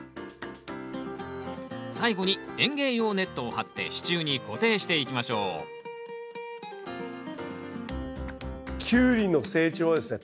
最後に園芸用ネットを張って支柱に固定していきましょうキュウリの成長はですね